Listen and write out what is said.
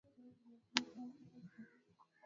tumia mafuta ya kupikia